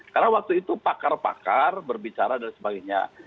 karena waktu itu pakar pakar berbicara dan sebagainya